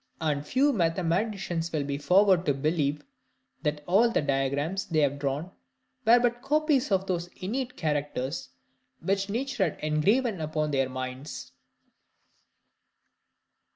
And few mathematicians will be forward to believe, that all the diagrams they have drawn were but copies of those innate characters which nature had engraven upon their minds.